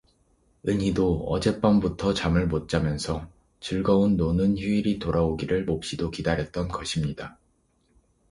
은희도 어젯밤부터 잠을 못 자면서 즐거운 노는 휴일이 돌아오기를 몹시도 기다렸던 것입니다.